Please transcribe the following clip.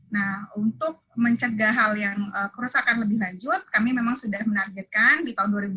nah untuk mencegah hal yang kerusakan lebih lanjut kami memang sudah menargetkan di tahun dua ribu dua puluh